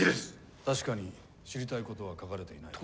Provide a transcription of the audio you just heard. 確かに知りたい事は書かれていない。